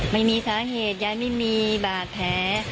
ไม่มีสาเหตุยายไม่มีบาดแผล